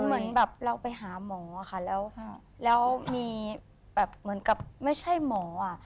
เหมือนแบบเราไปหาหมอค่ะแล้วมีแบบเหมือนกับไม่ใช่หมออ่ะ